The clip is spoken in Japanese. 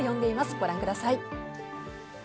ご覧ください。